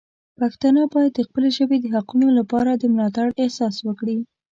پښتانه باید د خپلې ژبې د حقونو لپاره د ملاتړ احساس وکړي.